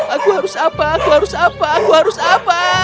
aku harus apa aku harus apa aku harus apa